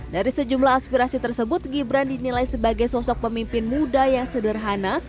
dari sejumlah aspirasi tersebut gibran dinilai sebagai sosok pemimpin muda yang sederhana